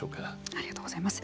ありがとうございます。